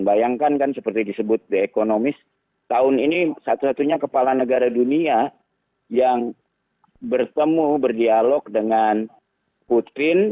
bayangkan kan seperti disebut the economist tahun ini satu satunya kepala negara dunia yang bertemu berdialog dengan putin